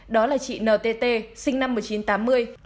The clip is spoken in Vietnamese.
đó là chị n t t sinh năm một nghìn chín trăm tám mươi